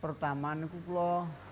pertama ini saya